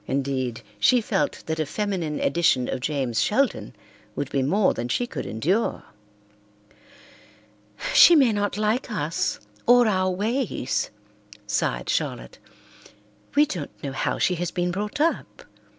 Indeed, she felt that a feminine edition of James Sheldon would be more than she could endure. "She may not like us, or our ways," sighed Charlotte. "We don't know how she has been brought up.